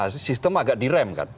sistem agak direm kan